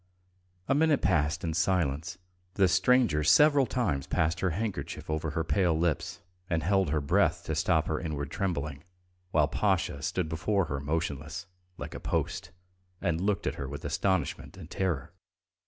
A minute passed in silence. The stranger several times passed her handkerchief over her pale lips and held her breath to stop her inward trembling, while Pasha stood before her motionless, like a post, and looked at her with astonishment and terror.